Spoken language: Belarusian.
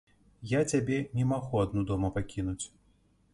Я цябе не магу адну дома пакінуць.